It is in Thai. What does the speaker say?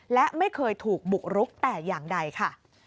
และไม่เคยถูกบุกรุกแต่อย่างใดค่ะ